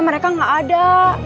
mereka enggak ada